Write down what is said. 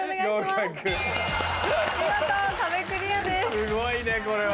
すごいねこれは。